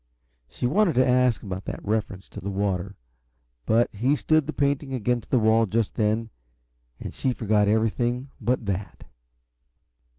She wanted to ask about that reference to the water, but he stood the painting against the wall, just then, and she forgot everything but that.